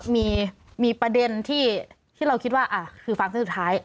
ในคืนนั้นเองค่ะคือึงบันไดฟังขึ้นสุดท้าย